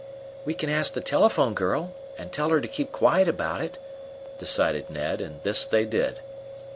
"We can ask the telephone girl, and tell her to keep quiet about it," decided Ned; and this they did.